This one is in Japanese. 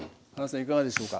いかがでしょうか？